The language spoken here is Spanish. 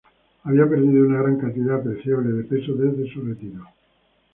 Había perdido una gran cantidad apreciable de peso desde su retiro.